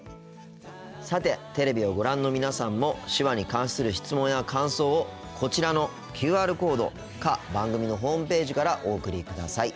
さてテレビをご覧の皆さんも手話に関する質問や感想をこちらのＱＲコードか番組のホームページからお送りください。